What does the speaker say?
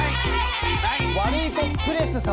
ワルイコプレス様。